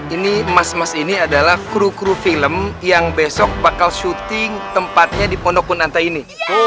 ini emas emas ini adalah kru kru film yang besok bakal syuting tempatnya di pondok kunanta ini